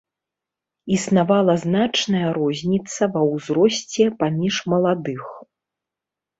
Існавала значная розніца ва ўзросце паміж маладых.